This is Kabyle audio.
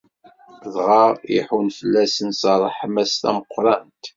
Dɣa iḥunn fell-asen s ṛṛeḥma-s tameqqrant.